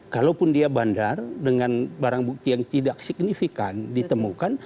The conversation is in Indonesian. kalaupun dia bandar dengan barang bukti yang tidak signifikan ditemukan